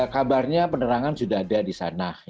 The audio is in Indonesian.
kabarnya penerangan sudah ada di sana